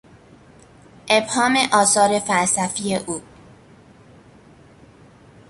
ابهام آثار فلسفی او